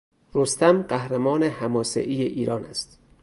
رستم قهرمان حماسهای ایران است.